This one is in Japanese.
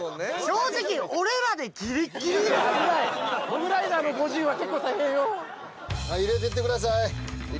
正直マジでモグライダーの５０は結構大変よはい入れてってください